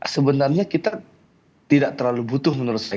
sebenarnya kita tidak terlalu butuh menurut saya